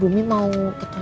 bumi mau ke toilet sebentar ya